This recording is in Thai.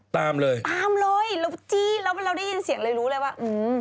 ตามเลยตามเลยเราได้ยินเสียงเลยรู้เลยว่า